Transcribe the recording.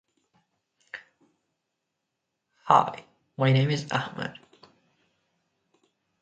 It improves the motor financing experience